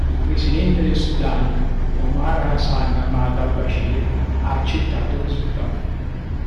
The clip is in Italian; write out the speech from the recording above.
Il presidente del Sudan Omar Hasan Ahmad al-Bashir ha accettato il risultato.